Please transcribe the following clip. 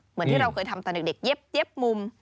เหมือนที่เราเคยทำตอนเด็กเย็บมุม